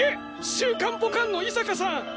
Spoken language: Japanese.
「週刊ボカン」の伊坂さん。